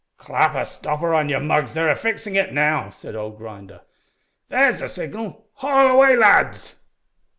"Clap a stopper on your mugs; they're a fixin' of it now," said old Grinder. "There's the signal! Haul away, lads!"